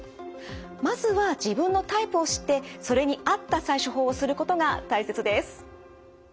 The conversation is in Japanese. まずは自分のタイプを知ってそれに合った対処法をすることが大切です。